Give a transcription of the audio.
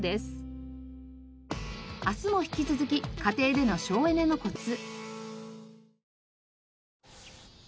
明日も引き続き家庭での省エネのコツ。